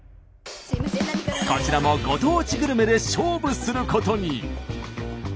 こちらもご当地グルメで勝負することに。